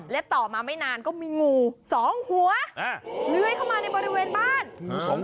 และต่อมาไม่นานก็มีงูสองหัวเลื้อยเข้ามาในบริเวณบ้าน